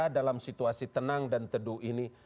dalam situasi tenang dan teduh ini